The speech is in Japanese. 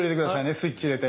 スイッチ入れて。